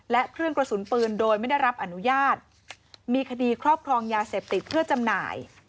และเครื่องกระสุนปืนโดยไม่ได้รับอนุญาตมีคดีครอบครองยาเสพติดเพื่อจำหน่าย